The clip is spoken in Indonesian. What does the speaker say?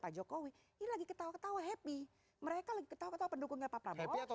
pak jokowi ini lagi ketawa ketawa happy mereka lagi ketawa ketawa pendukungnya pak prabowo oke